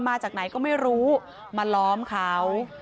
มาจากไหนก็ไม่รู้มาล้อมเขา